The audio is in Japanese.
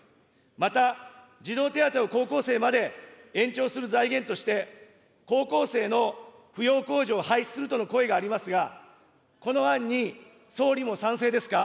また、児童手当を高校生まで延長する財源として、高校生の扶養控除を廃止するとの声がありますが、この案に総理も賛成ですか。